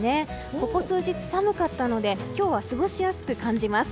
ここ数日、寒かったので今日は過ごしやすく感じます。